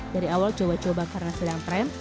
dari awal coba coba karena sedang tren